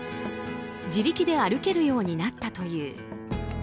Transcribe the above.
自力で歩けるようになったという。